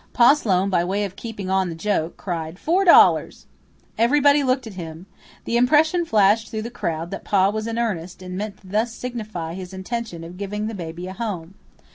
Pa Sloane, by way of keeping on the joke, cried, "Four dollars!" Everybody looked at him. The impression flashed through the crowd that Pa was in earnest, and meant thus to signify his intention of giving the baby a home.